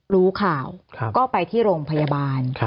รู้ข่าวก็ไปที่โรงพยาบาล